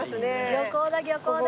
漁港だ漁港だ！